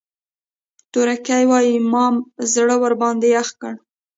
تورکى وايي مام زړه ورباندې يخ کړ.